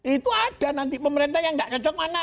itu ada nanti pemerintah yang nggak cocok mana